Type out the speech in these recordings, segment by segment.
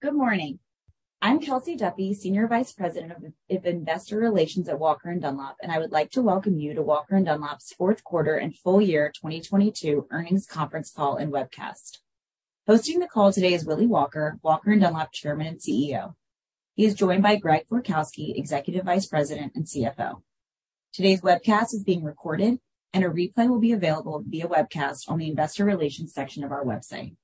Good morning. I'm Kelsey Duffey, Senior Vice President of Investor Relations at Walker & Dunlop. I would like to welcome you to Walker & Dunlop's fourth quarter and full year 2022 earnings conference call and webcast. Hosting the call today is Willy Walker & Dunlop Chairman and CEO. He is joined by Greg Florkowski, Executive Vice President and CFO. Today's webcast is being recorded. A replay will be available via webcast on the investor relations section of our website.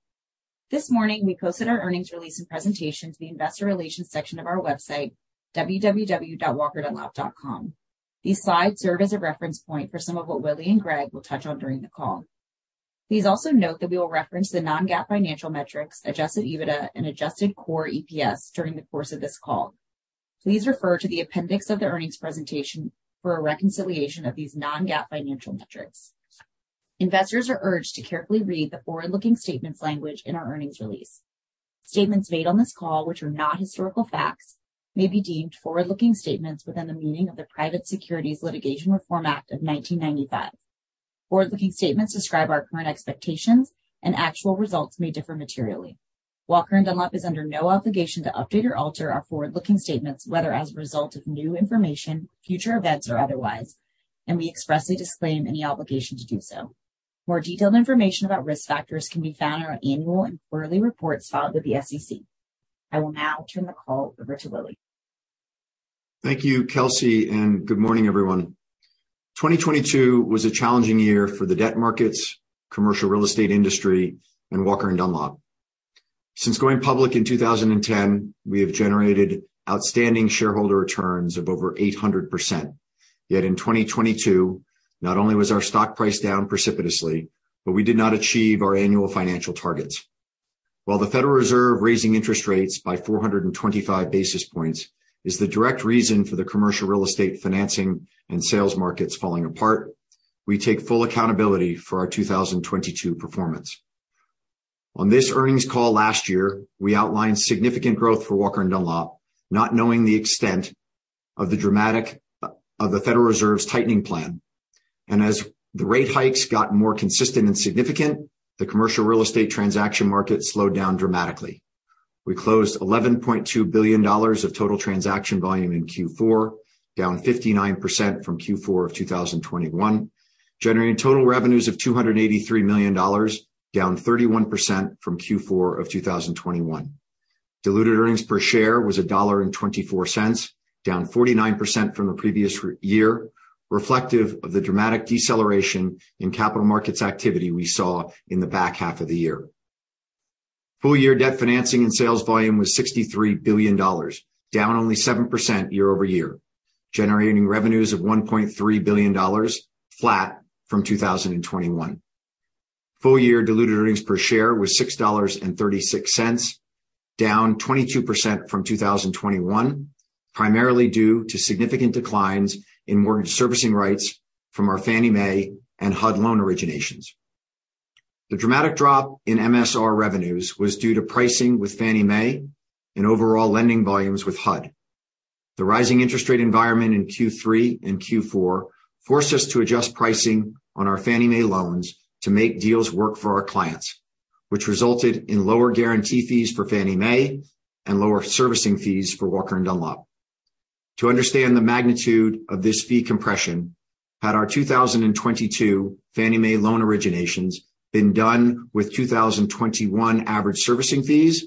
This morning, we posted our earnings release and presentation to the investor relations section of our website, www.walkerdunlop.com. These slides serve as a reference point for some of what Willy and Greg will touch on during the call. Please also note that we will reference the non-GAAP financial metrics, adjusted EBITDA, and adjusted core EPS during the course of this call. Please refer to the appendix of the earnings presentation for a reconciliation of these non-GAAP financial metrics. Investors are urged to carefully read the forward-looking statements language in our earnings release. Statements made on this call, which are not historical facts, may be deemed forward-looking statements within the meaning of the Private Securities Litigation Reform Act of 1995. Forward-looking statements describe our current expectations, and actual results may differ materially. Walker & Dunlop is under no obligation to update or alter our forward-looking statements, whether as a result of new information, future events, or otherwise, and we expressly disclaim any obligation to do so. More detailed information about risk factors can be found in our annual and quarterly reports filed with the S.E.C. I will now turn the call over to Willy. Thank you, Kelsey. Good morning, everyone. 2022 was a challenging year for the debt markets, commercial real estate industry, and Walker & Dunlop. Since going public in 2010, we have generated outstanding shareholder returns of over 800%. In 2022, not only was our stock price down precipitously, we did not achieve our annual financial targets. While the Federal Reserve raising interest rates by 425 basis points is the direct reason for the commercial real estate financing and sales markets falling apart, we take full accountability for our 2022 performance. On this earnings call last year, we outlined significant growth for Walker & Dunlop, not knowing the extent of the Federal Reserve's tightening plan. As the rate hikes got more consistent and significant, the commercial real estate transaction market slowed down dramatically. We closed $11.2 billion of total transaction volume in Q4, down 59% from Q4 of 2021, generating total revenues of $283 million, down 31% from Q4 of 2021. Diluted earnings per share was $1.24, down 49% from the previous year, reflective of the dramatic deceleration in capital markets activity we saw in the back half of the year. Full year debt financing and sales volume was $63 billion, down only 7% year-over-year, generating revenues of $1.3 billion, flat from 2021. Full year diluted earnings per share was $6.36, down 22% from 2021, primarily due to significant declines in mortgage servicing rights from our Fannie Mae and HUD loan originations. The dramatic drop in MSR revenues was due to pricing with Fannie Mae and overall lending volumes with HUD. The rising interest rate environment in Q3 and Q4 forced us to adjust pricing on our Fannie Mae loans to make deals work for our clients, which resulted in lower guarantee fees for Fannie Mae and lower servicing fees for Walker & Dunlop. To understand the magnitude of this fee compression, had our 2022 Fannie Mae loan originations been done with 2021 average servicing fees,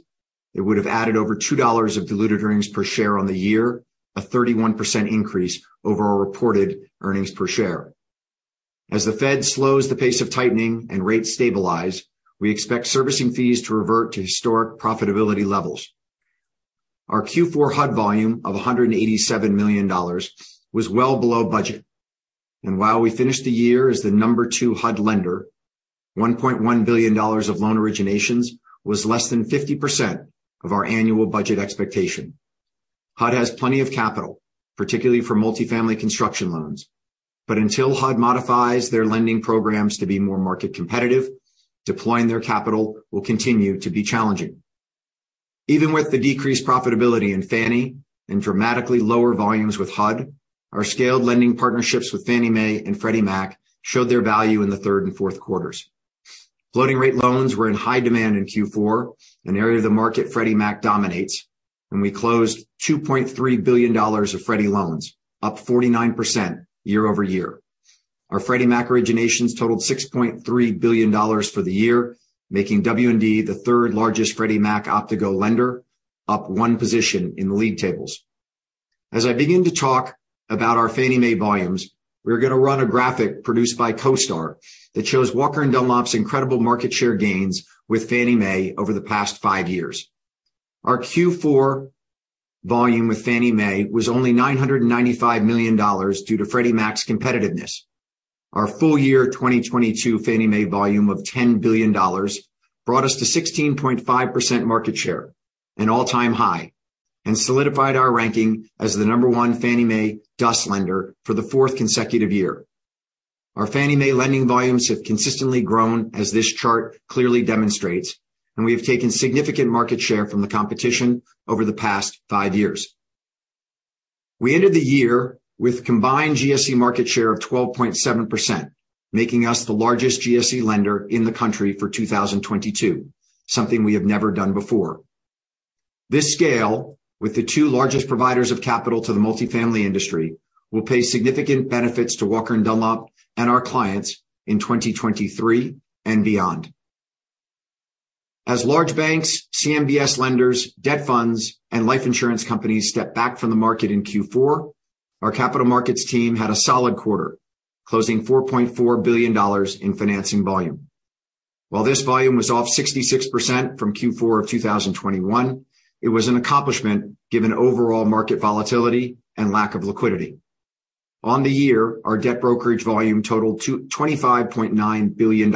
it would have added over $2 of diluted earnings per share on the year, a 31% increase over our reported earnings per share. As the Fed slows the pace of tightening and rates stabilize, we expect servicing fees to revert to historic profitability levels. Our Q4 HUD volume of $187 million was well below budget. While we finished the year as the number two HUD lender, $1.1 billion of loan originations was less than 50% of our annual budget expectation. HUD has plenty of capital, particularly for multifamily construction loans. Until HUD modifies their lending programs to be more market competitive, deploying their capital will continue to be challenging. Even with the decreased profitability in Fannie and dramatically lower volumes with HUD, our scaled lending partnerships with Fannie Mae and Freddie Mac showed their value in the third and fourth quarters. Floating rate loans were in high demand in Q4, an area of the market Freddie Mac dominates. We closed $2.3 billion of Freddie loans, up 49% year-over-year. Our Freddie Mac originations totaled $6.3 billion for the year, making W&D the third-largest Freddie Mac Optigo lender, up one position in the league tables. As I begin to talk about our Fannie Mae volumes, we are going to run a graphic produced by CoStar that shows Walker & Dunlop's incredible market share gains with Fannie Mae over the past five years. Our Q4 volume with Fannie Mae was only $995 million due to Freddie Mac's competitiveness. Our full year 2022 Fannie Mae volume of $10 billion brought us to 16.5% market share, an all-time high, and solidified our ranking as the number one Fannie Mae DUS lender for the fourth consecutive year. Our Fannie Mae lending volumes have consistently grown, as this chart clearly demonstrates, and we have taken significant market share from the competition over the past 5 years. We ended the year with combined GSE market share of 12.7%, making us the largest GSE lender in the country for 2022, something we have never done before. This scale, with the two largest providers of capital to the multifamily industry, will pay significant benefits to Walker & Dunlop and our clients in 2023 and beyond. As large banks, CMBS lenders, debt funds, and life insurance companies step back from the market in Q4, our capital markets team had a solid quarter, closing $4.4 billion in financing volume. While this volume was off 66% from Q4 of 2021, it was an accomplishment given overall market volatility and lack of liquidity. On the year, our debt brokerage volume totaled $25.9 billion,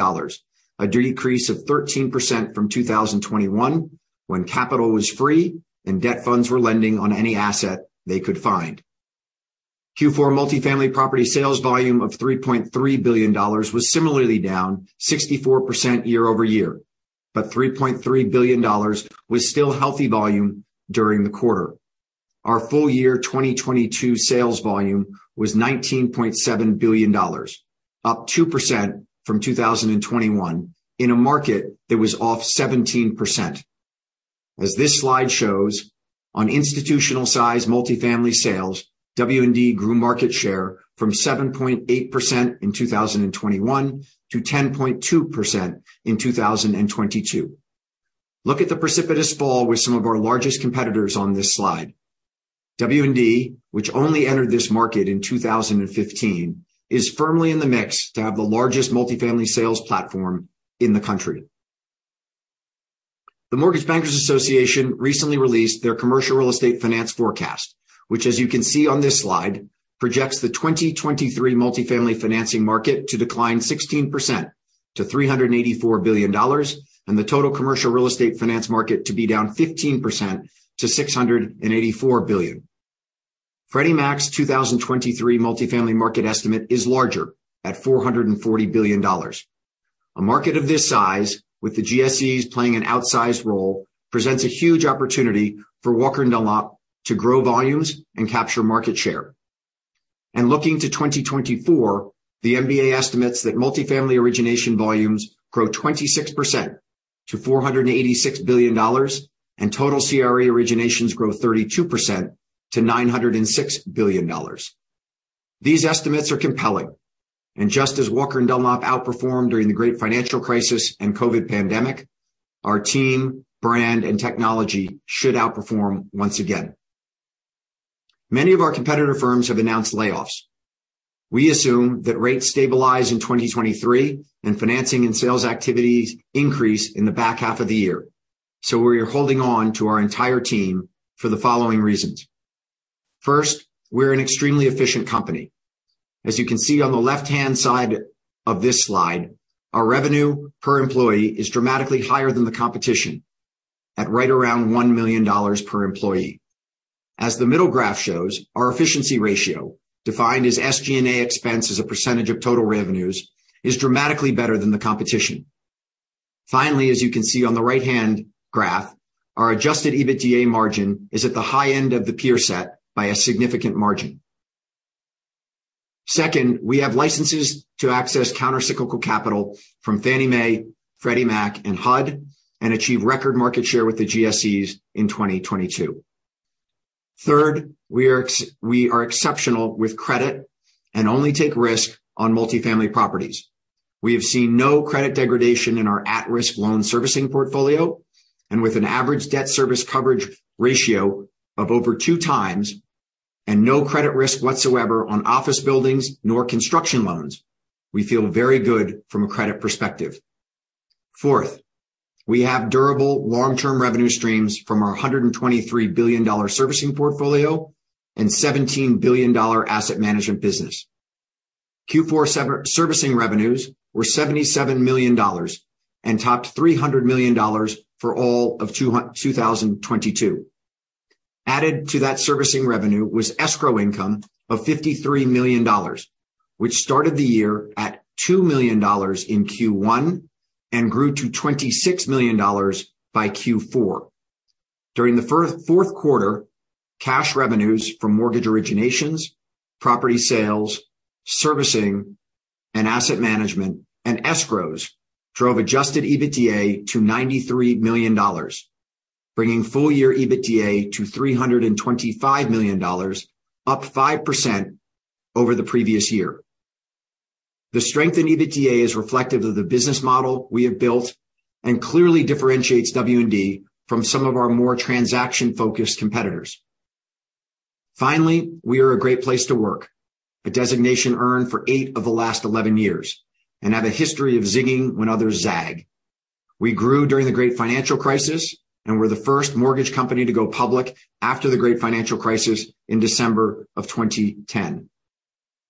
a decrease of 13% from 2021 when capital was free and debt funds were lending on any asset they could find. Q4 multifamily property sales volume of $3.3 billion was similarly down 64% year-over-year, but $3.3 billion was still healthy volume during the quarter. Our full year 2022 sales volume was $19.7 billion, up 2% from 2021 in a market that was off 17%. As this slide shows, on institutional-size multifamily sales, W&D grew market share from 7.8% in 2021 to 10.2% in 2022. Look at the precipitous fall with some of our largest competitors on this slide. W&D, which only entered this market in 2015, is firmly in the mix to have the largest multifamily sales platform in the country. The Mortgage Bankers Association recently released their commercial real estate finance forecast, which as you can see on this slide, projects the 2023 multifamily financing market to decline 16% to $384 billion and the total commercial real estate finance market to be down 15% to $684 billion. Freddie Mac's 2023 multifamily market estimate is larger at $440 billion. A market of this size with the GSEs playing an outsized role presents a huge opportunity for Walker & Dunlop to grow volumes and capture market share. Looking to 2024, the MBA estimates that multifamily origination volumes grow 26% to $486 billion, and total CRE originations grow 32% to $906 billion. These estimates are compelling, and just as Walker & Dunlop outperformed during the great financial crisis and COVID pandemic, our team, brand, and technology should outperform once again. Many of our competitor firms have announced layoffs. We assume that rates stabilize in 2023 and financing and sales activities increase in the back half of the year. We are holding on to our entire team for the following reasons. First, we're an extremely efficient company. As you can see on the left-hand side of this slide, our revenue per employee is dramatically higher than the competition at right around $1 million per employee. As the middle graph shows, our efficiency ratio, defined as SG&A expense as a percentage of total revenues, is dramatically better than the competition. Finally, as you can see on the right-hand graph, our adjusted EBITDA margin is at the high end of the peer set by a significant margin. Second, we have licenses to access counter-cyclical capital from Fannie Mae, Freddie Mac, and HUD, and achieve record market share with the GSEs in 2022. Third, we are exceptional with credit and only take risk on multifamily properties. We have seen no credit degradation in our at-risk loan servicing portfolio, and with an average debt service coverage ratio of over two times and no credit risk whatsoever on office buildings nor construction loans, we feel very good from a credit perspective. Fourth, we have durable long-term revenue streams from our $123 billion servicing portfolio and $17 billion asset management business. Q4 servicing revenues were $77 million and topped $300 million for all of 2022. Added to that servicing revenue was escrow income of $53 million, which started the year at $2 million in Q1 and grew to $26 million by Q4. During the fourth quarter, cash revenues from mortgage originations, property sales, servicing, and asset management, and escrows drove adjusted EBITDA to $93 million, bringing full year EBITDA to $325 million, up 5% over the previous year. The strength in EBITDA is reflective of the business model we have built and clearly differentiates W&D from some of our more transaction-focused competitors. We are a great place to work, a designation earned for eight of the last eleven years, and have a history of zigging when others zag. We grew during the great financial crisis, and we're the first mortgage company to go public after the great financial crisis in December of 2010.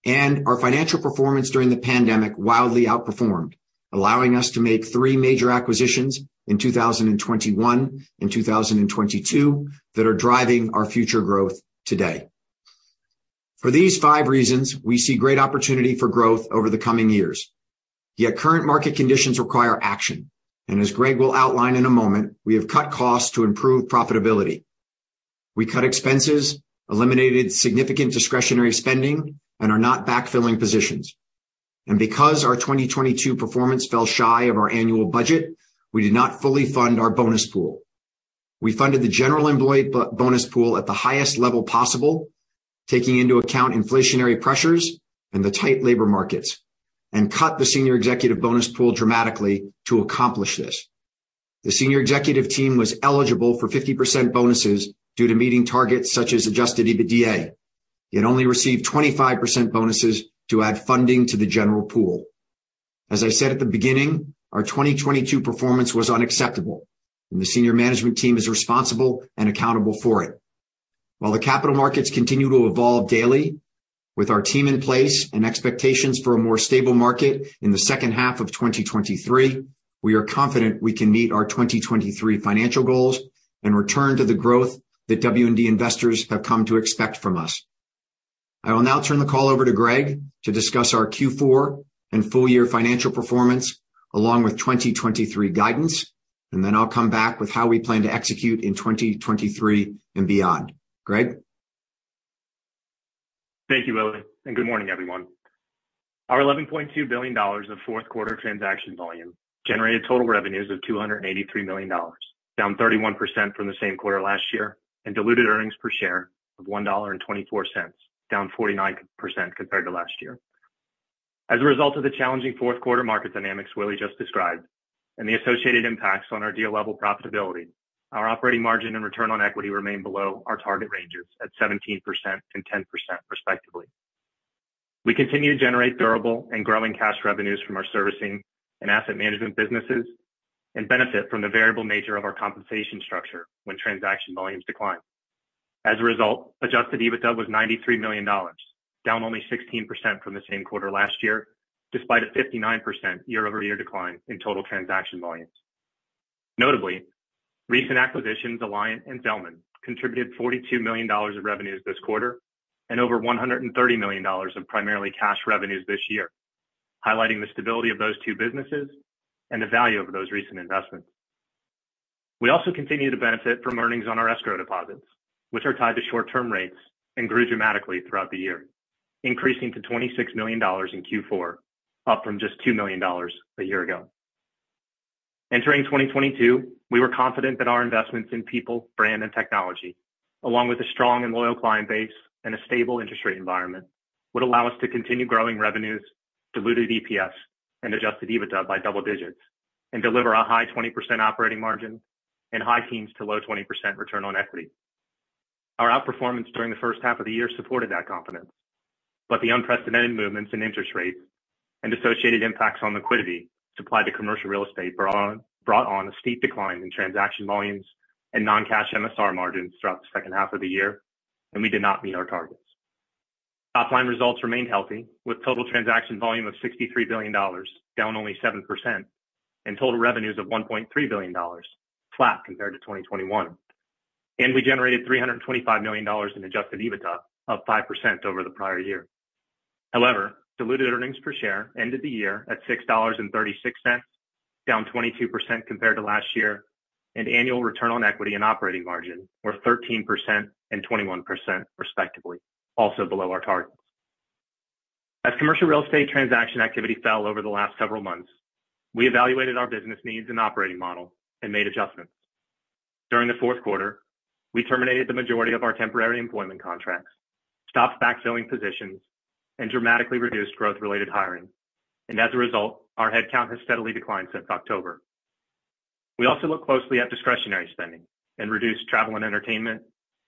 Our financial performance during the pandemic wildly outperformed, allowing us to make three major acquisitions in 2021 and 2022 that are driving our future growth today. For these five reasons, we see great opportunity for growth over the coming years. Yet current market conditions require action, and as Greg will outline in a moment, we have cut costs to improve profitability. We cut expenses, eliminated significant discretionary spending, and are not backfilling positions. Because our 2022 performance fell shy of our annual budget, we did not fully fund our bonus pool. We funded the general employee bonus pool at the highest level possible, taking into account inflationary pressures and the tight labor markets, and cut the senior executive bonus pool dramatically to accomplish this. The senior executive team was eligible for 50% bonuses due to meeting targets such as adjusted EBITDA. It only received 25% bonuses to add funding to the general pool. As I said at the beginning, our 2022 performance was unacceptable, and the senior management team is responsible and accountable for it. While the capital markets continue to evolve daily, with our team in place and expectations for a more stable market in the second half of 2023, we are confident we can meet our 2023 financial goals and return to the growth that W&D investors have come to expect from us. I will now turn the call over to Greg to discuss our Q4 and full year financial performance, along with 2023 guidance, and then I'll come back with how we plan to execute in 2023 and beyond. Greg? Thank you, Willy, and good morning, everyone. Our $11.2 billion in fourth quarter transaction volume generated total revenues of $283 million, down 31% from the same quarter last year, and diluted earnings per share of $1.24, down 49% compared to last year. As a result of the challenging fourth quarter market dynamics Willy just described, and the associated impacts on our deal level profitability, our operating margin and return on equity remain below our target ranges at 17% and 10% respectively. We continue to generate durable and growing cash revenues from our servicing and asset management businesses and benefit from the variable nature of our compensation structure when transaction volumes decline. adjusted EBITDA was $93 million, down only 16% from the same quarter last year, despite a 59% year-over-year decline in total transaction volumes. recent acquisitions Alliant and Zelman contributed $42 million of revenues this quarter and over $130 million of primarily cash revenues this year, highlighting the stability of those two businesses and the value of those recent investments. We also continue to benefit from earnings on our escrow deposits, which are tied to short-term rates and grew dramatically throughout the year, increasing to $26 million in Q4, up from just $2 million a year ago. Entering 2022, we were confident that our investments in people, brand, and technology, along with a strong and loyal client base and a stable interest rate environment, would allow us to continue growing revenues, diluted EPS, and adjusted EBITDA by double digits and deliver a high 20% operating margin and high teens to low 20% return on equity. Our outperformance during the first half of the year supported that confidence, but the unprecedented movements in interest rates and associated impacts on liquidity supplied to commercial real estate brought on a steep decline in transaction volumes and non-cash MSR margins throughout the second half of the year. We did not meet our targets. Top-line results remained healthy with total transaction volume of $63 billion, down only 7% and total revenues of $1.3 billion, flat compared to 2021. We generated $325 million in adjusted EBITDA, up 5% over the prior year. However, diluted earnings per share ended the year at $6.36, down 22% compared to last year, and annual return on equity and operating margin were 13% and 21% respectively, also below our targets. As commercial real estate transaction activity fell over the last several months, we evaluated our business needs and operating model and made adjustments. During the fourth quarter, we terminated the majority of our temporary employment contracts, stopped backfilling positions, and dramatically reduced growth-related hiring. As a result, our headcount has steadily declined since October. We also looked closely at discretionary spending and reduced travel and entertainment,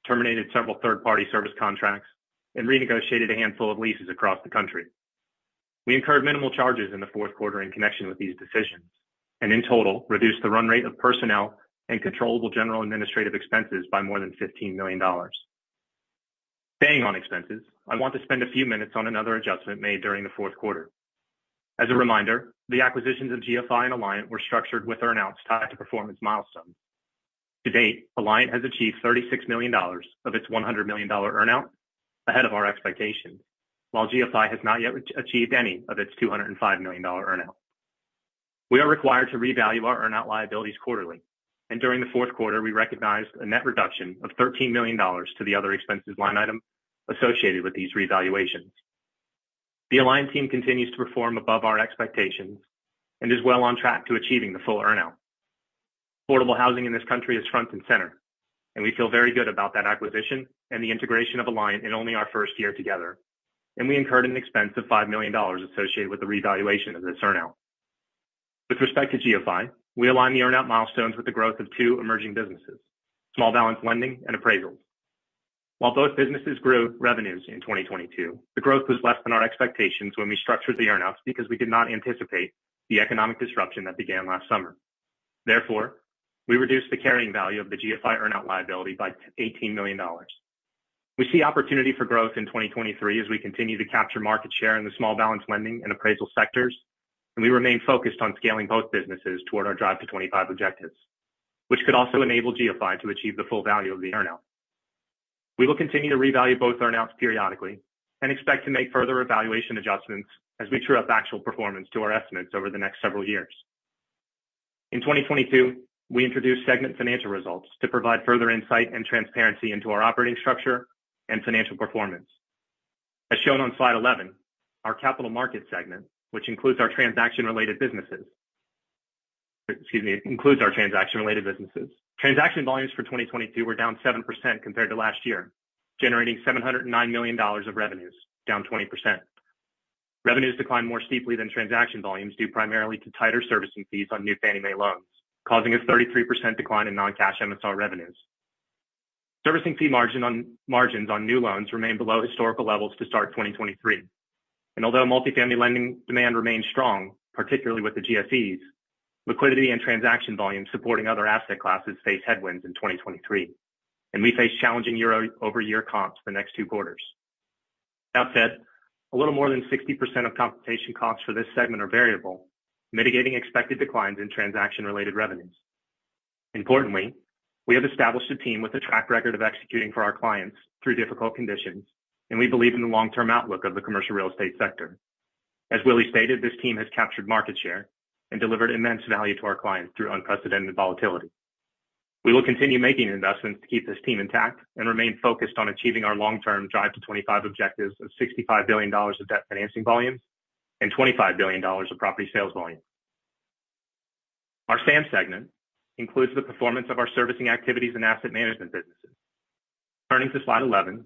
terminated several third-party service contracts, and renegotiated a handful of leases across the country. We incurred minimal charges in the fourth quarter in connection with these decisions. In total, reduced the run rate of personnel and controllable General Administrative expenses by more than $15 million. Staying on expenses, I want to spend a few minutes on another adjustment made during the fourth quarter. As a reminder, the acquisitions of GFI and Alliant were structured with earnouts tied to performance milestones. To date, Alliant has achieved $36 million of its $100 million earnout ahead of our expectations, while GFI has not yet achieved any of its $205 million earnout. We are required to revalue our earnout liabilities quarterly. During the fourth quarter, we recognized a net reduction of $13 million to the other expenses line item associated with these revaluations. The Alliant team continues to perform above our expectations and is well on track to achieving the full earnout. Affordable housing in this country is front and center, we feel very good about that acquisition and the integration of Alliant in only our first year together, we incurred an expense of $5 million associated with the revaluation of this earnout. With respect to GFI, we align the earnout milestones with the growth of two emerging businesses, small balance lending and appraisals. Both businesses grew revenues in 2022, the growth was less than our expectations when we structured the earnouts because we did not anticipate the economic disruption that began last summer. We reduced the carrying value of the GFI earnout liability by $18 million. We see opportunity for growth in 2023 as we continue to capture market share in the small balance lending and appraisal sectors, and we remain focused on scaling both businesses toward our Drive to '25 objectives, which could also enable GFI to achieve the full value of the earnout. We will continue to revalue both earnouts periodically and expect to make further evaluation adjustments as we true up actual performance to our estimates over the next several years. In 2022, we introduced segment financial results to provide further insight and transparency into our operating structure and financial performance. As shown on slide 11, our capital market segment, which includes our transaction-related businesses. Excuse me, includes our transaction-related businesses. Transaction volumes for 2022 were down 7% compared to last year, generating $709 million of revenues, down 20%. Revenues declined more steeply than transaction volumes, due primarily to tighter servicing fees on new Fannie Mae loans, causing a 33% decline in non-cash MSR revenues. Servicing fee margins on new loans remain below historical levels to start 2023. Although multifamily lending demand remains strong, particularly with the GSEs, liquidity and transaction volume supporting other asset classes face headwinds in 2023. We face challenging year-over-year comps the next two quarters. That said, a little more than 60% of compensation costs for this segment are variable, mitigating expected declines in transaction-related revenues. Importantly, we have established a team with a track record of executing for our clients through difficult conditions, and we believe in the long-term outlook of the commercial real estate sector. As Willy stated, this team has captured market share and delivered immense value to our clients through unprecedented volatility. We will continue making investments to keep this team intact and remain focused on achieving our long-term Drive to '25 objectives of $65 billion of debt financing volumes and $25 billion of property sales volume. Our SAM segment includes the performance of our servicing activities and asset management businesses. Turning to slide 11.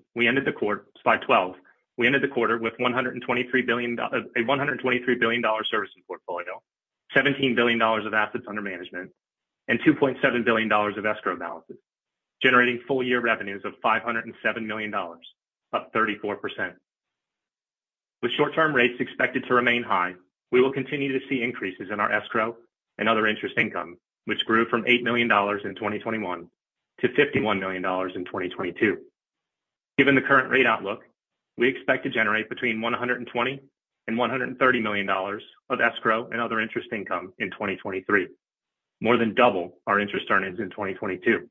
Slide 12. We ended the quarter with a $123 billion servicing portfolio, $17 billion of assets under management, and $2.7 billion of escrow balances, generating full-year revenues of $507 million, up 34%. With short-term rates expected to remain high, we will continue to see increases in our escrow and other interest income, which grew from $8 million in 2021 to $51 million in 2022. Given the current rate outlook, we expect to generate between $120 million-$130 million of escrow and other interest income in 2023, more than double our interest earnings in 2022.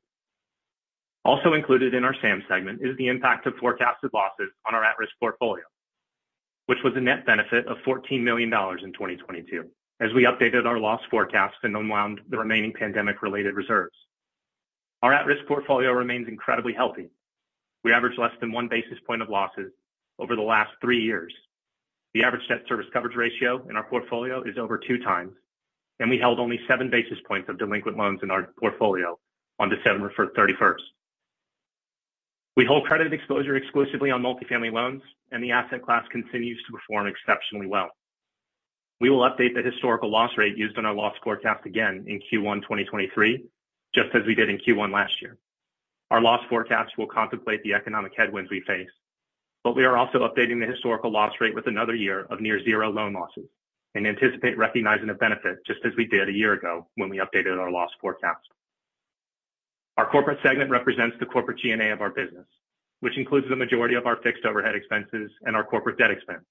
Also included in our SAM segment is the impact of forecasted losses on our at-risk portfolio, which was a net benefit of $14 million in 2022 as we updated our loss forecasts and unwound the remaining pandemic-related reserves. Our at-risk portfolio remains incredibly healthy. We averaged less than 1 basis point of losses over the last 3 years. The average debt service coverage ratio in our portfolio is over 2 times. We held only seven basis points of delinquent loans in our portfolio on December 31st, 2022. We hold credit exposure exclusively on multifamily loans. The asset class continues to perform exceptionally well. We will update the historical loss rate used on our loss forecast again in Q1 2023, just as we did in Q1 last year. Our loss forecasts will contemplate the economic headwinds we face. We are also updating the historical loss rate with another year of near zero loan losses and anticipate recognizing a benefit just as we did a year ago when we updated our loss forecast. Our corporate segment represents the corporate G&A of our business, which includes the majority of our fixed overhead expenses and our corporate debt expense.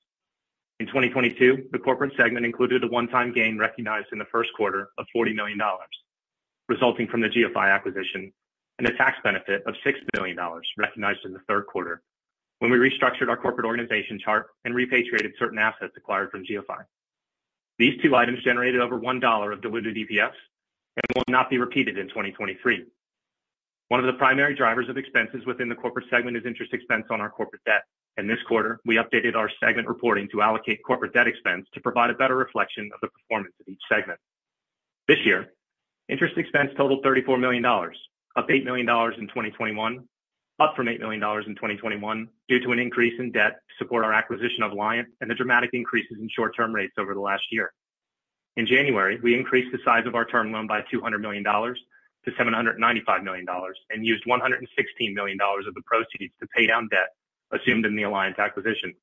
In 2022, the corporate segment included a one-time gain recognized in the 1st quarter of $40 million resulting from the GFI acquisition and a tax benefit of $6 billion recognized in the 3rd quarter when we restructured our corporate organization chart and repatriated certain assets acquired from GFI. These two items generated over $1 of diluted EPS and will not be repeated in 2023. One of the primary drivers of expenses within the corporate segment is interest expense on our corporate debt. In this quarter, we updated our segment reporting to allocate corporate debt expense to provide a better reflection of the performance of each segment. This year, interest expense totaled $34 million, up from $8 million in 2021 due to an increase in debt to support our acquisition of Alliant and the dramatic increases in short-term rates over the last year. In January, we increased the size of our term loan by $200 million to $795 million and used $116 million of the proceeds to pay down debt assumed in the Alliant acquisition.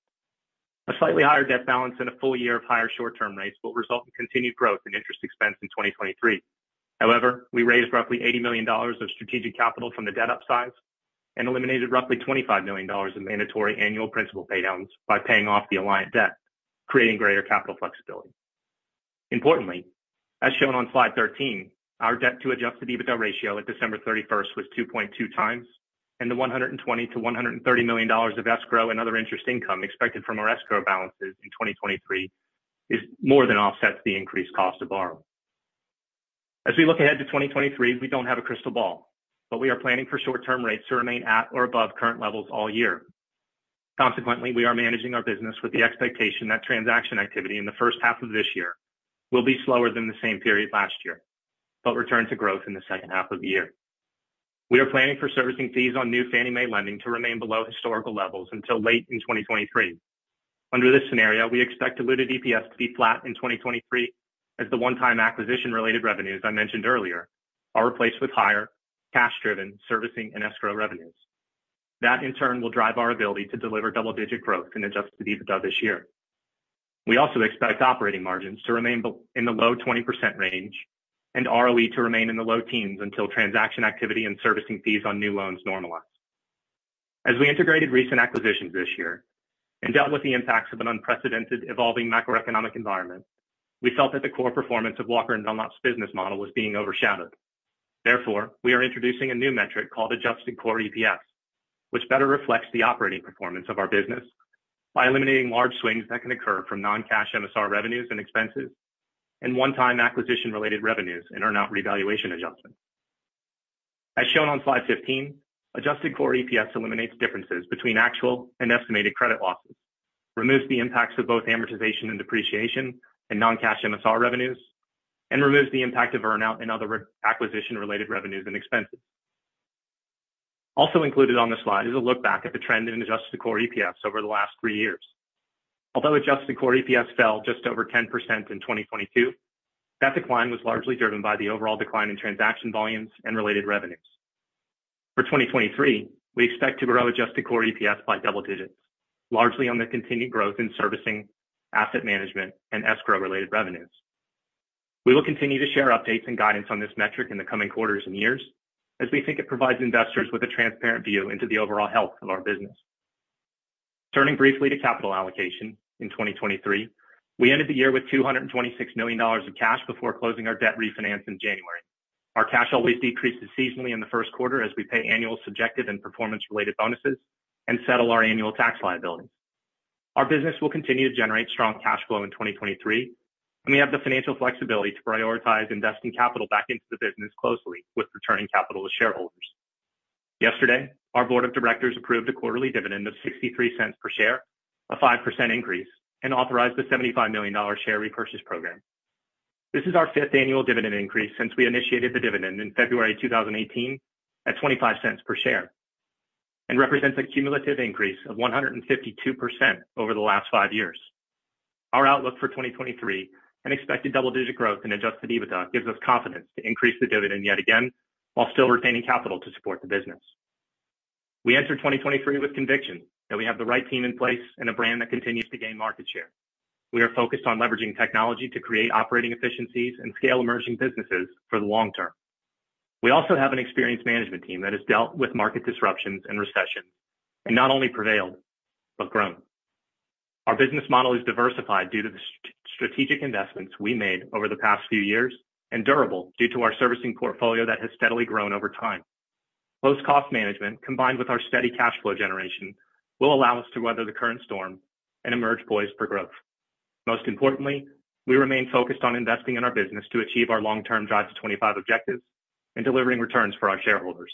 A slightly higher debt balance and a full year of higher short-term rates will result in continued growth in interest expense in 2023. However, we raised roughly $80 million of strategic capital from the debt upsize and eliminated roughly $25 million in mandatory annual principal paydowns by paying off the Alliant debt, creating greater capital flexibility. Importantly, as shown on slide 13, our debt to adjusted EBITDA ratio at December 31st, 2022 was 2.2 times, and the $120 million-$130 million of escrow and other interest income expected from our escrow balances in 2023 is more than offsets the increased cost to borrow. As we look ahead to 2023, we don't have a crystal ball, but we are planning for short-term rates to remain at or above current levels all year. Consequently, we are managing our business with the expectation that transaction activity in the first half of this year will be slower than the same period last year, but return to growth in the second half of the year. We are planning for servicing fees on new Fannie Mae lending to remain below historical levels until late in 2023. Under this scenario, we expect diluted EPS to be flat in 2023 as the one-time acquisition-related revenues I mentioned earlier are replaced with higher cash-driven servicing and escrow revenues. That, in turn, will drive our ability to deliver double-digit growth in adjusted EBITDA this year. We also expect operating margins to remain in the low 20% range and ROE to remain in the low teens until transaction activity and servicing fees on new loans normalize. We integrated recent acquisitions this year and dealt with the impacts of an unprecedented evolving macroeconomic environment, we felt that the core performance of Walker & Dunlop's business model was being overshadowed. Therefore, we are introducing a new metric called Adjusted Core EPS, which better reflects the operating performance of our business by eliminating large swings that can occur from non-cash MSR revenues and expenses, and one-time acquisition-related revenues and earn-out revaluation adjustments. As shown on slide 15, Adjusted Core EPS eliminates differences between actual and estimated credit losses, removes the impacts of both amortization and depreciation and non-cash MSR revenues, and removes the impact of earn-out and other acquisition-related revenues and expenses. Also included on the slide is a look back at the trend in Adjusted Core EPS over the last three years. Although Adjusted Core EPS fell just over 10% in 2022, that decline was largely driven by the overall decline in transaction volumes and related revenues. For 2023, we expect to grow adjusted core EPS by double digits, largely on the continued growth in servicing, asset management, and escrow-related revenues. We will continue to share updates and guidance on this metric in the coming quarters and years, as we think it provides investors with a transparent view into the overall health of our business. Turning briefly to capital allocation in 2023, we ended the year with $226 million of cash before closing our debt refinance in January. Our cash always decreases seasonally in the first quarter as we pay annual subjective and performance-related bonuses and settle our annual tax liabilities. Our business will continue to generate strong cash flow in 2023, and we have the financial flexibility to prioritize investing capital back into the business closely with returning capital to shareholders. Yesterday, our board of directors approved a quarterly dividend of $0.63 per share, a 5% increase, and authorized a $75 million share repurchase program. This is our fifth annual dividend increase since we initiated the dividend in February 2018 at $0.25 per share and represents a cumulative increase of 152% over the last five years. Our outlook for 2023 and expected double-digit growth in adjusted EBITDA gives us confidence to increase the dividend yet again while still retaining capital to support the business. We enter 2023 with conviction that we have the right team in place and a brand that continues to gain market share. We are focused on leveraging technology to create operating efficiencies and scale emerging businesses for the long term. We also have an experienced management team that has dealt with market disruptions and recessions and not only prevailed, but grown. Our business model is diversified due to the strategic investments we made over the past few years and durable due to our servicing portfolio that has steadily grown over time. Close cost management, combined with our steady cash flow generation, will allow us to weather the current storm and emerge poised for growth. Most importantly, we remain focused on investing in our business to achieve our long-term Drive to 25 objectives and delivering returns for our shareholders.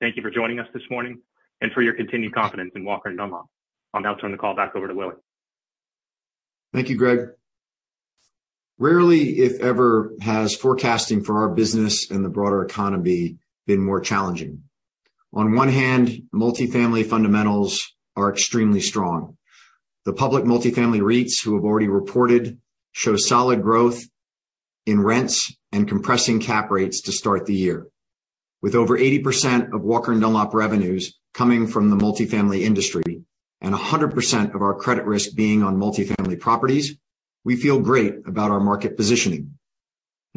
Thank you for joining us this morning and for your continued confidence in Walker & Dunlop. I'll now turn the call back over to Willy. Thank you, Greg. Rarely, if ever, has forecasting for our business and the broader economy been more challenging. On one hand, multifamily fundamentals are extremely strong. The public multifamily REITs who have already reported show solid growth in rents and compressing cap rates to start the year. With over 80% of Walker & Dunlop revenues coming from the multifamily industry and 100% of our credit risk being on multifamily properties, we feel great about our market positioning.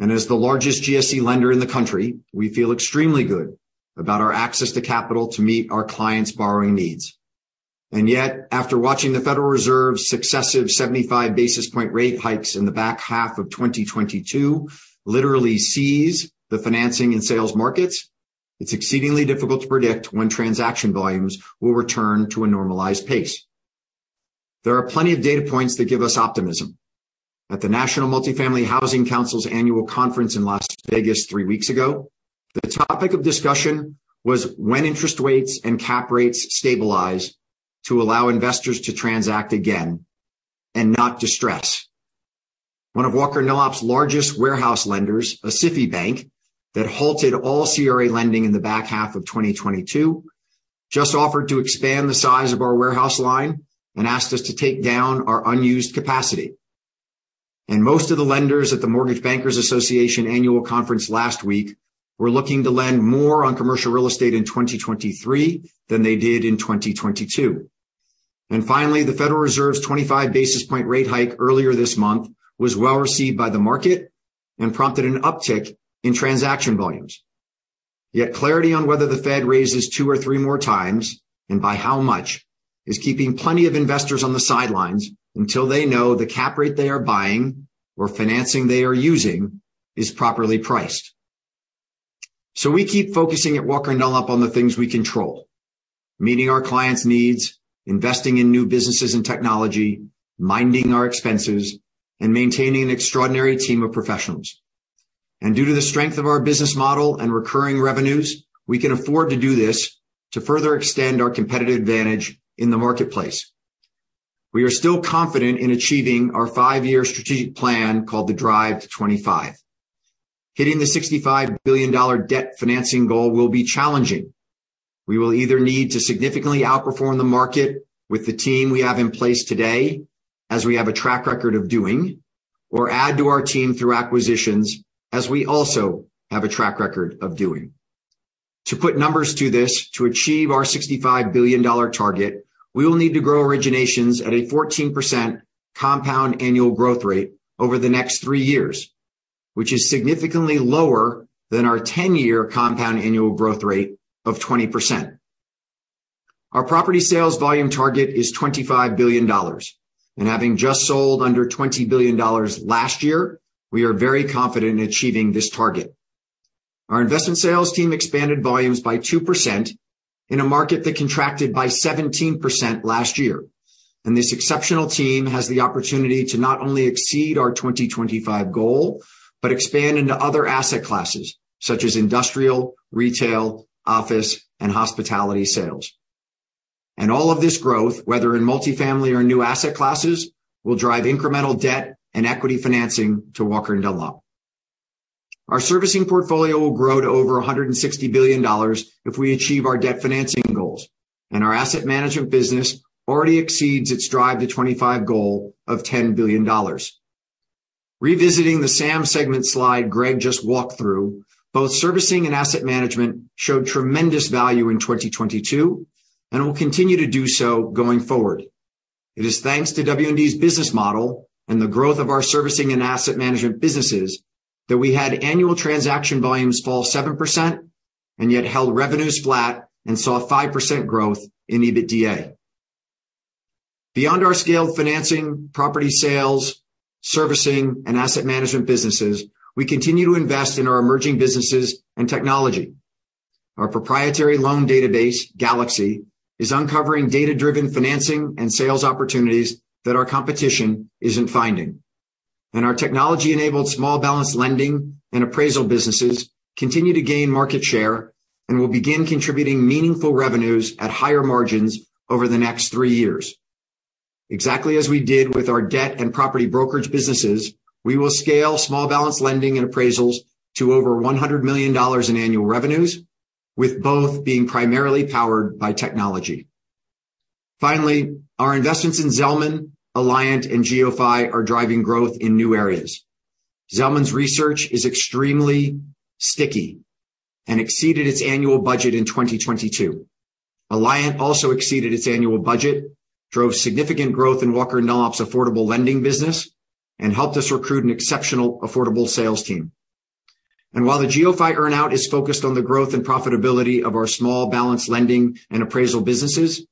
As the largest GSE lender in the country, we feel extremely good about our access to capital to meet our clients' borrowing needs. Yet, after watching the Federal Reserve's successive 75 basis point rate hikes in the back half of 2022 literally seize the financing and sales markets, it's exceedingly difficult to predict when transaction volumes will return to a normalized pace. There are plenty of data points that give us optimism. At the National Multifamily Housing Council's annual conference in Las Vegas three weeks ago, the topic of discussion was when interest rates and cap rates stabilize to allow investors to transact again and not distress. One of Walker & Dunlop's largest warehouse lenders, a SIFI bank that halted all CRA lending in the back half of 2022, just offered to expand the size of our warehouse line and asked us to take down our unused capacity. Most of the lenders at the Mortgage Bankers Association annual conference last week were looking to lend more on commercial real estate in 2023 than they did in 2022. Finally, the Federal Reserve's 25 basis point rate hike earlier this month was well-received by the market and prompted an uptick in transaction volumes. Yet clarity on whether the Fed raises two or three more times, and by how much, is keeping plenty of investors on the sidelines until they know the cap rate they are buying or financing they are using is properly priced. We keep focusing at Walker & Dunlop on the things we control, meeting our clients' needs, investing in new businesses and technology, minding our expenses, and maintaining an extraordinary team of professionals. Due to the strength of our business model and recurring revenues, we can afford to do this to further extend our competitive advantage in the marketplace. We are still confident in achieving our five-year strategic plan, called the Drive to '25. Hitting the $65 billion debt financing goal will be challenging. We will either need to significantly outperform the market with the team we have in place today, as we have a track record of doing, or add to our team through acquisitions, as we also have a track record of doing. To put numbers to this, to achieve our $65 billion target, we will need to grow originations at a 14% compound annual growth rate over the next three years. This is significantly lower than our 10-year compound annual growth rate of 20%. Our property sales volume target is $25 billion. Having just sold under $20 billion last year, we are very confident in achieving this target. Our investment sales team expanded volumes by 2% in a market that contracted by 17% last year. This exceptional team has the opportunity to not only exceed our 2025 goal, but expand into other asset classes such as industrial, retail, office, and hospitality sales. All of this growth, whether in multifamily or new asset classes, will drive incremental debt and equity financing to Walker & Dunlop. Our servicing portfolio will grow to over $160 billion if we achieve our debt financing goals. Our asset management business already exceeds its Drive to '25 goal of $10 billion. Revisiting the SAM segment slide Greg just walked through, both servicing and asset management showed tremendous value in 2022, and will continue to do so going forward. It is thanks to W&D's business model and the growth of our servicing and asset management businesses that we had annual transaction volumes fall 7% and yet held revenues flat and saw 5% growth in EBITDA. Beyond our scaled financing, property sales, servicing, and asset management businesses, we continue to invest in our emerging businesses and technology. Our proprietary loan database, Galaxy, is uncovering data-driven financing and sales opportunities that our competition isn't finding. Our technology-enabled small balance lending and appraisal businesses continue to gain market share and will begin contributing meaningful revenues at higher margins over the next three years. Exactly as we did with our debt and property brokerage businesses, we will scale small balance lending and appraisals to over $100 million in annual revenues, with both being primarily powered by technology. Finally, our investments in Zelman, Alliant, and GeoPhy are driving growth in new areas. Zelman's research is extremely sticky and exceeded its annual budget in 2022. Alliant also exceeded its annual budget, drove significant growth in Walker & Dunlop's affordable lending business, and helped us recruit an exceptional affordable sales team. While the GeoPhy earn-out is focused on the growth and profitability of our small balance lending and appraisal businesses,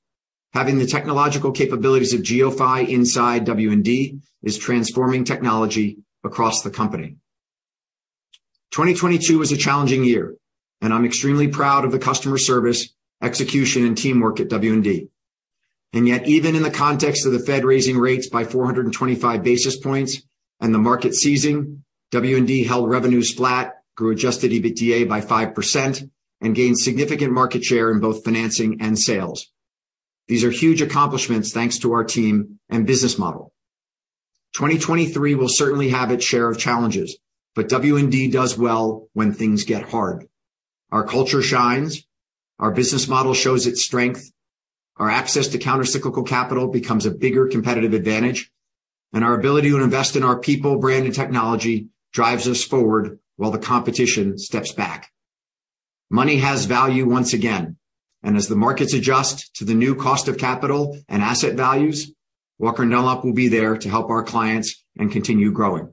having the technological capabilities of GeoPhy inside W&D is transforming technology across the company. 2022 was a challenging year, and I'm extremely proud of the customer service, execution, and teamwork at W&D. Yet, even in the context of the Fed raising rates by 425 basis points and the market seizing, W&D held revenues flat, grew adjusted EBITDA by 5%, and gained significant market share in both financing and sales. These are huge accomplishments thanks to our team and business model. 2023 will certainly have its share of challenges, but W&D does well when things get hard. Our culture shines, our business model shows its strength, our access to counter-cyclical capital becomes a bigger competitive advantage, and our ability to invest in our people, brand, and technology drives us forward while the competition steps back. Money has value once again. As the markets adjust to the new cost of capital and asset values, Walker & Dunlop will be there to help our clients and continue growing.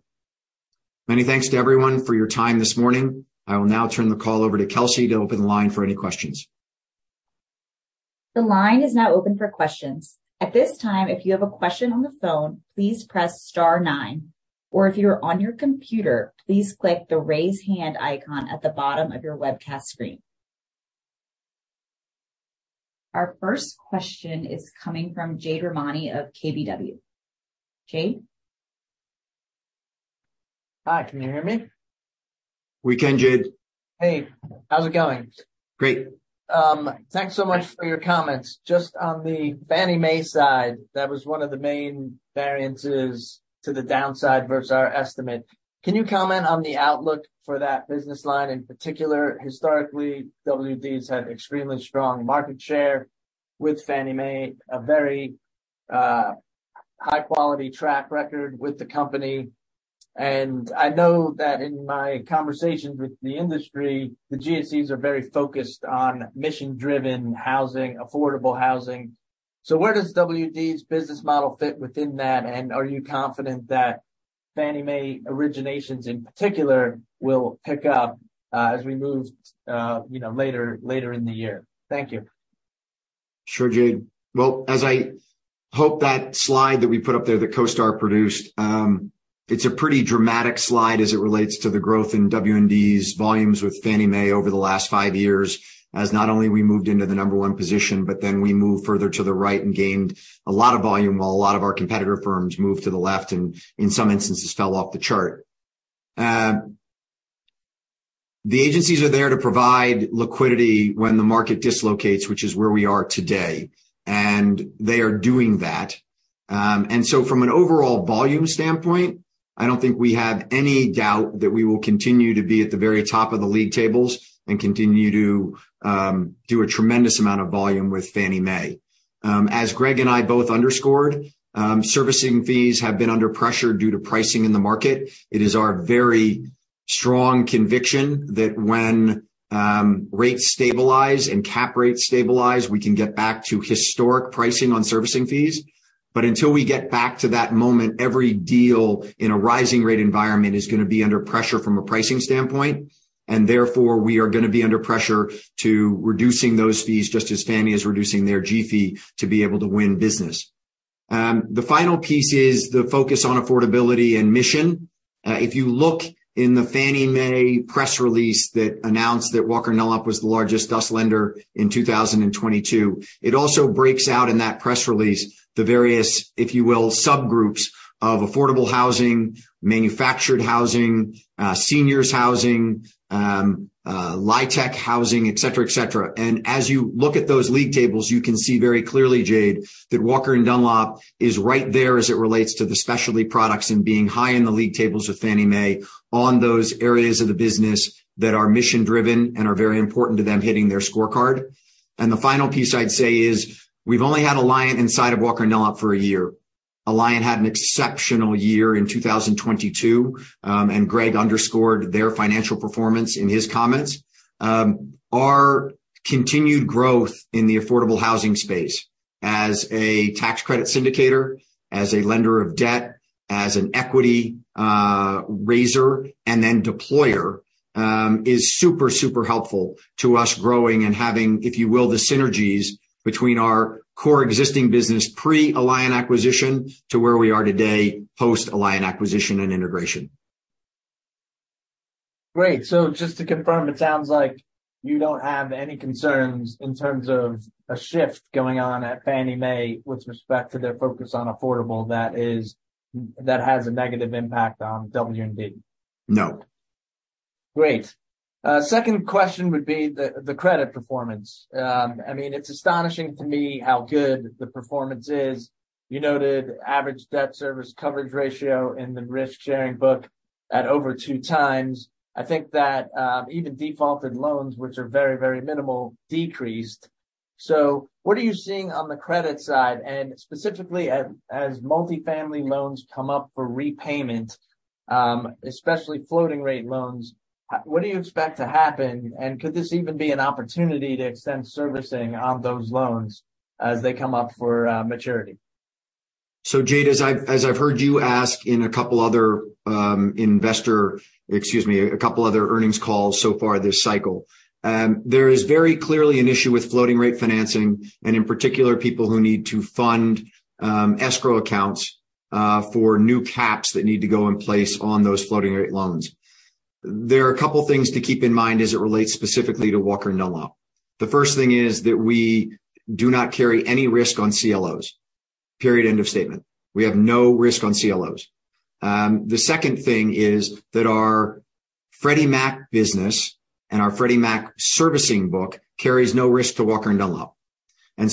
Many thanks to everyone for your time this morning. I will now turn the call over to Kelsey to open the line for any questions. The line is now open for questions. At this time, if you have a question on the phone, please press star nine. If you're on your computer, please click the Raise Hand icon at the bottom of your webcast screen. Our first question is coming from Jade Rahmani of KBW. Jade? Hi, can you hear me? We can, Jade. Hey, how's it going? Great. Thanks so much for your comments. Just on the Fannie Mae side, that was one of the main variances to the downside versus our estimate. Can you comment on the outlook for that business line in particular? Historically, W&D's had extremely strong market share with Fannie Mae, a very high quality track record with the company. I know that in my conversations with the industry, the GSEs are very focused on mission-driven housing, affordable housing. Where does W&D's business model fit within that? Are you confident that Fannie Mae originations in particular will pick up as we move, you know, later in the year? Thank you. Sure, Jade. as I hope that slide that we put up there that CoStar produced, it's a pretty dramatic slide as it relates to the growth in W&D's volumes with Fannie Mae over the last five years, as not only we moved into the number one position, but then we moved further to the right and gained a lot of volume while a lot of our competitor firms moved to the left and, in some instances, fell off the chart. The agencies are there to provide liquidity when the market dislocates, which is where we are today, and they are doing that. from an overall volume standpoint, I don't think we have any doubt that we will continue to be at the very top of the league tables and continue to do a tremendous amount of volume with Fannie Mae. As Greg and I both underscored, servicing fees have been under pressure due to pricing in the market. It is our very strong conviction that when rates stabilize and cap rates stabilize, we can get back to historic pricing on servicing fees. Until we get back to that moment, every deal in a rising rate environment is gonna be under pressure from a pricing standpoint, and therefore, we are gonna be under pressure to reducing those fees just as Fannie is reducing their G-Fee to be able to win business. The final piece is the focus on affordability and mission. If you look in the Fannie Mae press release that announced that Walker & Dunlop was the largest DUS lender in 2022, it also breaks out in that press release the various, if you will, subgroups of affordable housing, manufactured housing, seniors housing, LIHTC housing, et cetera. As you look at those league tables, you can see very clearly, Jade, that Walker & Dunlop is right there as it relates to the specialty products and being high in the league tables with Fannie Mae on those areas of the business that are mission-driven and are very important to them hitting their scorecard. The final piece I'd say is we've only had Alliant inside of Walker & Dunlop for a year. Alliant had an exceptional year in 2022, Greg underscored their financial performance in his comments. Our continued growth in the affordable housing space as a tax credit syndicator, as a lender of debt, as an equity raiser, and then deployer, is super helpful to us growing and having, if you will, the synergies between our core existing business pre-Alliant acquisition to where we are today post-Alliant acquisition and integration. Great. Just to confirm, it sounds like you don't have any concerns in terms of a shift going on at Fannie Mae with respect to their focus on affordable that has a negative impact on W&D. No. Great. second question would be the credit performance. I mean, it's astonishing to me how good the performance is. You noted average debt service coverage ratio in the risk-sharing book at over 2 times. I think that, even defaulted loans, which are very, very minimal, decreased. What are you seeing on the credit side? Specifically as multifamily loans come up for repayment, especially floating rate loans, what do you expect to happen? Could this even be an opportunity to extend servicing on those loans as they come up for maturity? Jade, as I've heard you ask in a couple other earnings calls so far this cycle, there is very clearly an issue with floating rate financing, and in particular, people who need to fund escrow accounts for new caps that need to go in place on those floating rate loans. There are a couple things to keep in mind as it relates specifically to Walker & Dunlop. The first thing is that we do not carry any risk on CLOs, period, end of statement. We have no risk on CLOs. The second thing is that our Freddie Mac business and our Freddie Mac servicing book carries no risk to Walker & Dunlop.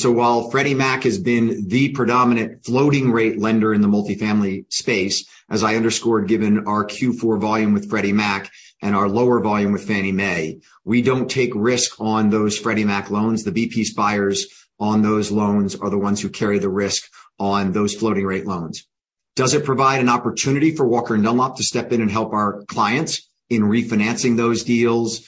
While Freddie Mac has been the predominant floating rate lender in the multifamily space, as I underscored given our Q4 volume with Freddie Mac and our lower volume with Fannie Mae, we don't take risk on those Freddie Mac loans. The B-piece buyers on those loans are the ones who carry the risk on those floating rate loans. Does it provide an opportunity for Walker & Dunlop to step in and help our clients in refinancing those deals,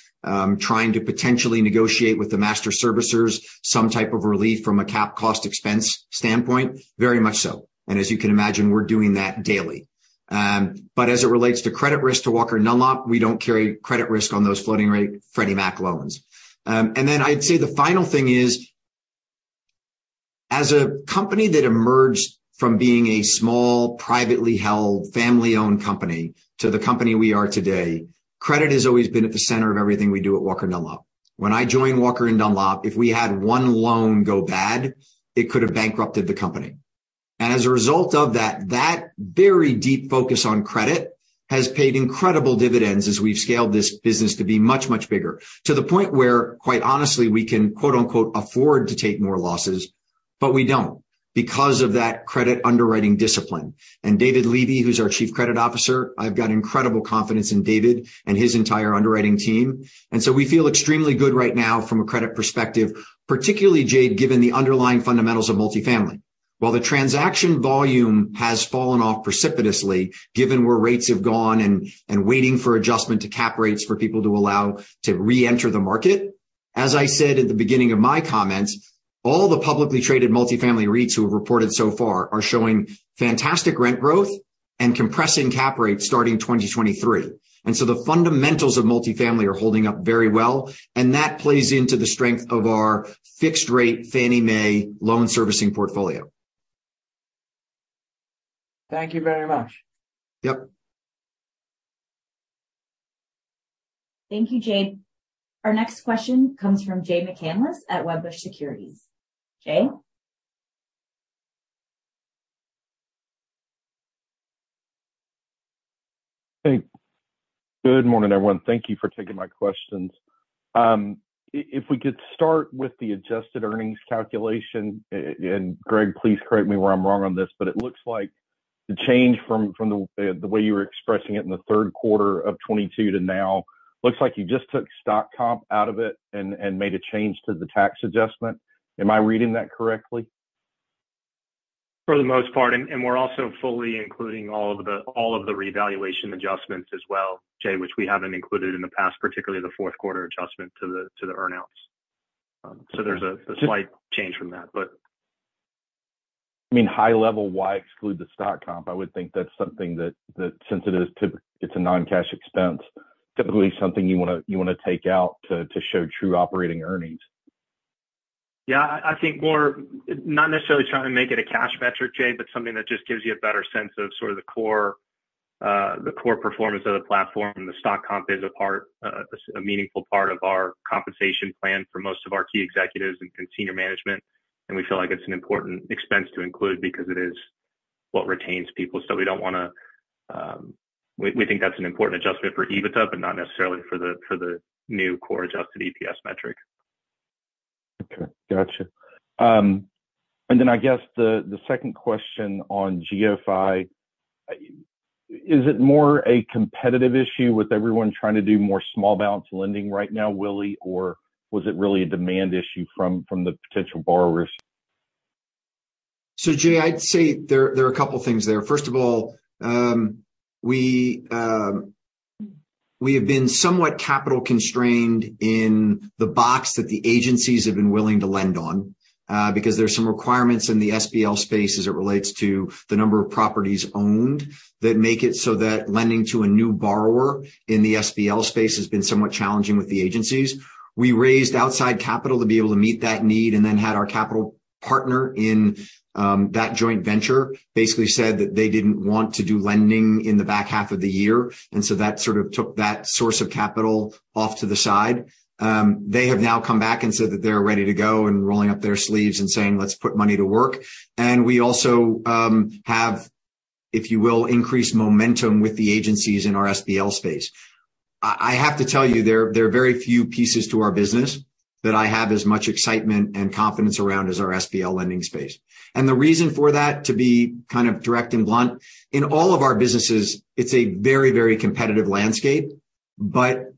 trying to potentially negotiate with the master servicers some type of relief from a cap cost expense standpoint? Very much so. As you can imagine, we're doing that daily. As it relates to credit risk to Walker & Dunlop, we don't carry credit risk on those floating rate Freddie Mac loans. I'd say the final thing is, as a company that emerged from being a small, privately held, family-owned company to the company we are today, credit has always been at the center of everything we do at Walker & Dunlop. When I joined Walker & Dunlop, if we had one loan go bad, it could have bankrupted the company. As a result of that very deep focus on credit has paid incredible dividends as we've scaled this business to be much, much bigger, to the point where, quite honestly, we can, quote-unquote, "afford to take more losses," but we don't because of that credit underwriting discipline. David Levy, who's our Chief Credit Officer, I've got incredible confidence in David and his entire underwriting team. We feel extremely good right now from a credit perspective, particularly, Jade, given the underlying fundamentals of multifamily. While the transaction volume has fallen off precipitously, given where rates have gone and waiting for adjustment to cap rates for people to allow to reenter the market, as I said at the beginning of my comments, all the publicly traded multifamily REITs who have reported so far are showing fantastic rent growth and compressing cap rates starting 2023. The fundamentals of multifamily are holding up very well, and that plays into the strength of our fixed rate Fannie Mae loan servicing portfolio. Thank you very much. Yep. Thank you, Jade. Our next question comes from Jay McCanless at Wedbush Securities. Jay? Hey. Good morning, everyone. Thank you for taking my questions. If we could start with the adjusted earnings calculation, and Greg, please correct me where I'm wrong on this, but it looks like the change from the way you were expressing it in the third quarter of 2022 to now, looks like you just took stock comp out of it and made a change to the tax adjustment. Am I reading that correctly? For the most part, we're also fully including all of the revaluation adjustments as well, Jay, which we haven't included in the past, particularly the fourth quarter adjustment to the earnouts. There's a slight change from that. I mean, high level, why exclude the stock comp? I would think that's something that since it is it's a non-cash expense, typically something you wanna take out to show true operating earnings. Yeah, I think more not necessarily trying to make it a cash metric, Jay, but something that just gives you a better sense of sort of the core performance of the platform. The stock comp is a part, a meaningful part of our compensation plan for most of our key executives and senior management, and we feel like it's an important expense to include because it is what retains people. We don't wanna, we think that's an important adjustment for EBITDA, but not necessarily for the, for the new core adjusted EPS metric. Okay. Gotcha. Then I guess the second question on GFI. Is it more a competitive issue with everyone trying to do more small balance lending right now, Willy? Or was it really a demand issue from the potential borrowers? Jay, I'd say there are a couple things there. First of all, we have been somewhat capital constrained in the box that the agencies have been willing to lend on, because there's some requirements in the SBL space as it relates to the number of properties owned that make it so that lending to a new borrower in the SBL space has been somewhat challenging with the agencies. We raised outside capital to be able to meet that need, had our capital partner in that joint venture basically said that they didn't want to do lending in the back half of the year, that sort of took that source of capital off to the side. They have now come back and said that they're ready to go and rolling up their sleeves and saying, "Let's put money to work." We also have, if you will, increased momentum with the agencies in our SBL space. I have to tell you, there are very few pieces to our business that I have as much excitement and confidence around as our SBL lending space. The reason for that, to be kind of direct and blunt, in all of our businesses it's a very competitive landscape, but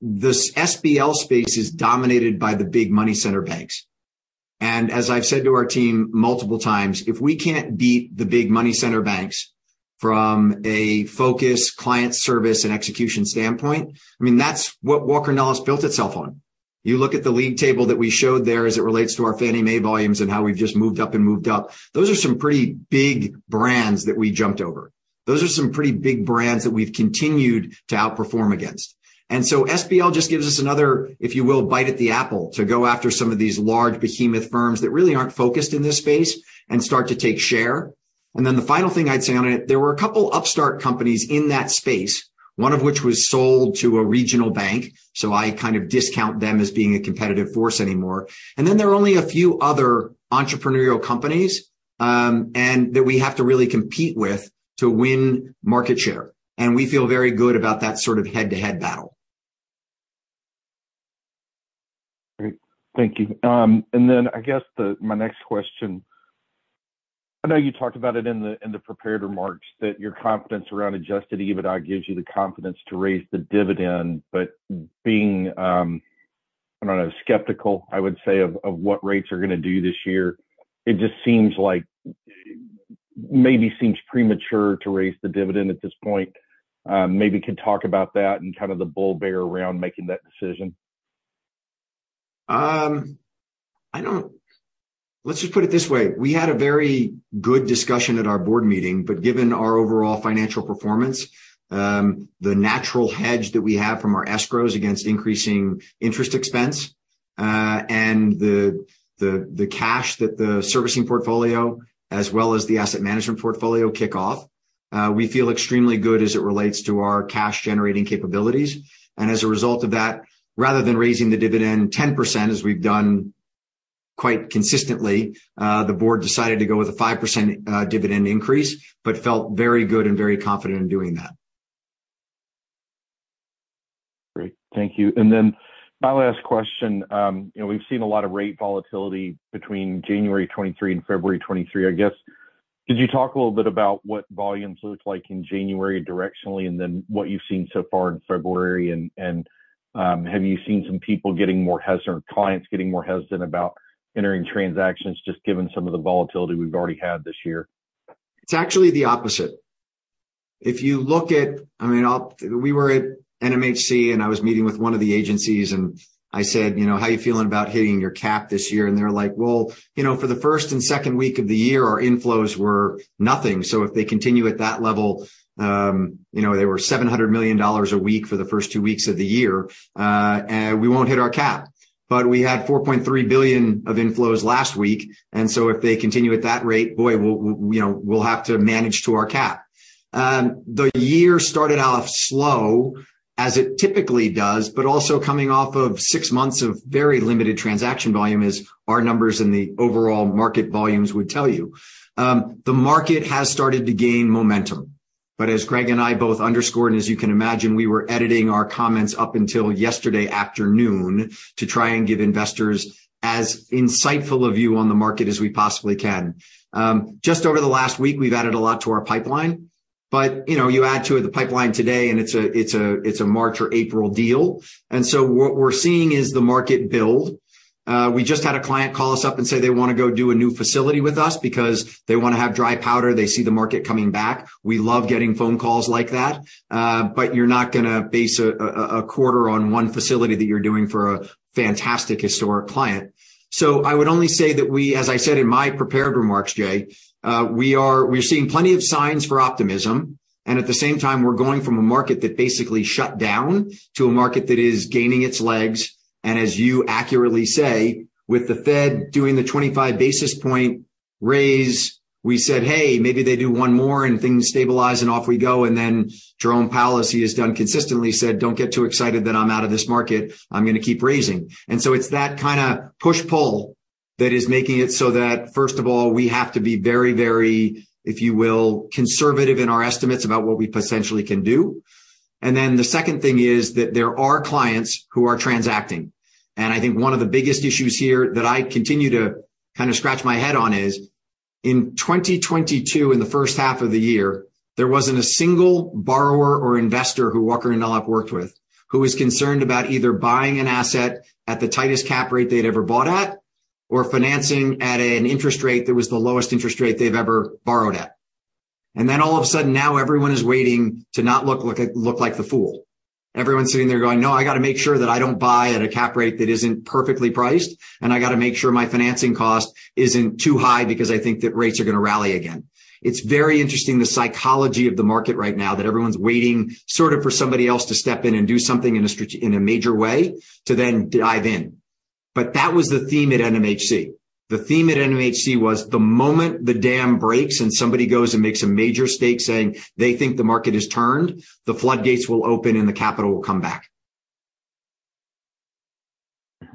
the SBL space is dominated by the big money center banks. As I've said to our team multiple times, if we can't beat the big money center banks from a focus, client service, and execution standpoint, I mean, that's what Walker & Dunlop built itself on. You look at the league table that we showed there as it relates to our Fannie Mae volumes and how we've just moved up and moved up, those are some pretty big brands that we jumped over. Those are some pretty big brands that we've continued to outperform against. SBL just gives us another, if you will, bite at the apple to go after some of these large behemoth firms that really aren't focused in this space and start to take share. The final thing I'd say on it, there were a couple upstart companies in that space, one of which was sold to a regional bank, so I kind of discount them as being a competitive force anymore. There are only a few other entrepreneurial companies, and that we have to really compete with to win market share, and we feel very good about that sort of head-to-head battle. Great. Thank you. I guess my next question, I know you talked about it in the, in the prepared remarks, that your confidence around adjusted EBITDA gives you the confidence to raise the dividend. Being, I don't know, skeptical, I would say, of what rates are gonna do this year, it just seems like, maybe seems premature to raise the dividend at this point. Maybe could talk about that and kind of the bull/bear around making that decision? I don't... Let's just put it this way. We had a very good discussion at our board meeting, but given our overall financial performance, the natural hedge that we have from our escrows against increasing interest expense, and the cash that the servicing portfolio as well as the asset management portfolio kick off, we feel extremely good as it relates to our cash-generating capabilities. As a result of that, rather than raising the dividend 10% as we've done quite consistently, the board decided to go with a 5% dividend increase, but felt very good and very confident in doing that. Great. Thank you. Then my last question? You know, we've seen a lot of rate volatility between January 2023 and February 2023. I guess could you talk a little bit about what volumes looked like in January directionally, and then what you've seen so far in February and have you seen some people getting more hesitant, clients getting more hesitant about entering transactions just given some of the volatility we've already had this year? It's actually the opposite. If you look at, I mean, we were at NMHC and I was meeting with one of the agencies and I said, you know, "How are you feeling about hitting your cap this year?" They're like, "Well, you know, for the first and second week of the year, our inflows were nothing. If they continue at that level, you know, they were $700 million a week for the first two weeks of the year, we won't hit our cap. We had $4.3 billion of inflows last week, and so if they continue at that rate, boy, we'll, you know, we'll have to manage to our cap. The year started off slow, as it typically does, but also coming off of six months of very limited transaction volume as our numbers in the overall market volumes would tell you. The market has started to gain momentum. As Greg and I both underscored, and as you can imagine, we were editing our comments up until yesterday afternoon to try and give investors as insightful a view on the market as we possibly can. Just over the last week we've added a lot to our pipeline but, you know, you add to the pipeline today and it's a March or April deal. What we're seeing is the market build. We just had a client call us up and say they wanna go do a new facility with us because they wanna have dry powder, they see the market coming back. We love getting phone calls like that. You're not gonna base a quarter on one facility that you're doing for a fantastic historic client. I would only say that we, as I said in my prepared remarks, Jay, we're seeing plenty of signs for optimism, and at the same time, we're going from a market that basically shut down to a market that is gaining its legs. As you accurately say, with the Fed doing the 25 basis point raise, we said, "Hey, maybe they do one more, and things stabilize, and off we go." Jerome Powell, as he has done consistently, said, "Don't get too excited that I'm out of this market. I'm gonna keep raising." It's that kinda push-pull that is making it so that, first of all, we have to be very, very, if you will, conservative in our estimates about what we potentially can do. The second thing is that there are clients who are transacting. I think one of the biggest issues here that I continue to kind of scratch my head on is in 2022, in the first half of the year, there wasn't a single borrower or investor who Walker & Dunlop worked with who was concerned about either buying an asset at the tightest cap rate they'd ever bought at or financing at an interest rate that was the lowest interest rate they've ever borrowed at. All of a sudden, now everyone is waiting to not look like the fool. Everyone's sitting there going, "No, I gotta make sure that I don't buy at a cap rate that isn't perfectly priced, and I gotta make sure my financing cost isn't too high because I think that rates are gonna rally again." It's very interesting, the psychology of the market right now, that everyone's waiting sort of for somebody else to step in and do something in a major way to then dive in. That was the theme at NMHC. The theme at NMHC was the moment the dam breaks and somebody goes and makes a major stake saying they think the market has turned, the floodgates will open, and the capital will come back. V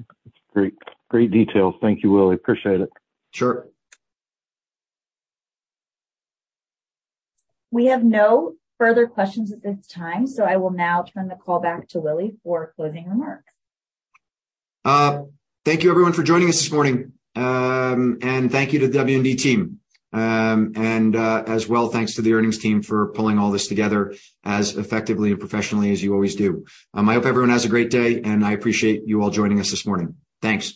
Great. Great details. Thank you, Willy. Appreciate it. Sure. We have no further questions at this time, so I will now turn the call back to Willy for closing remarks. Thank you everyone for joining us this morning, and thank you to the W&D team. As well, thanks to the earnings team for pulling all this together as effectively and professionally as you always do. I hope everyone has a great day, and I appreciate you all joining us this morning. Thanks.